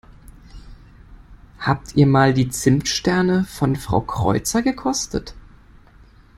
Habt ihr mal die Zimtsterne von Frau Kreuzer gekostet?